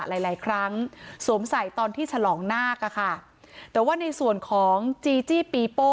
หลายหลายครั้งสวมใส่ตอนที่ฉลองนาคอ่ะค่ะแต่ว่าในส่วนของจีจี้ปีโป้